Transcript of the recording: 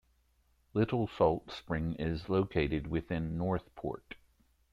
Little Salt Spring is located within North Port.